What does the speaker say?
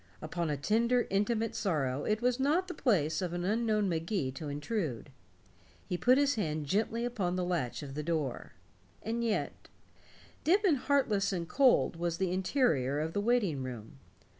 Upon a tender intimate sorrow it was not the place of an unknown Magee to intrude. He put his hand gently upon the latch of the door. And yet dim and heartless and cold was the interior of that waiting room.